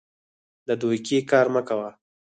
د دوکې کار مه کوه.